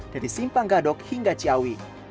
dari simpang gadok hingga ciawi